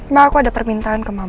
mbak aku ada permintaan ke mama